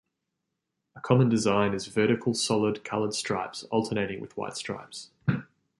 A common design is vertical solid colored stripes alternating with white stripes.